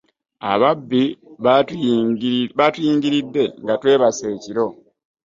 Ababbi batuyingiride nga twebase ekiro.